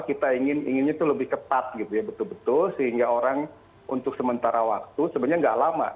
kita inginnya itu lebih ketat gitu ya betul betul sehingga orang untuk sementara waktu sebenarnya nggak lama